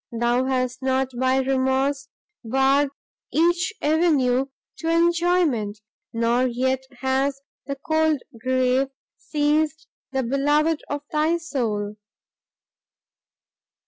thou hast not by remorse barred each avenue to enjoyment! nor yet has the cold grave seized the beloved of thy soul!"